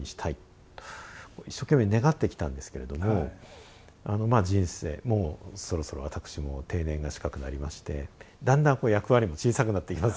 一生懸命願ってきたんですけれども人生もうそろそろ私も定年が近くなりましてだんだんこう役割も小さくなっていきますよね。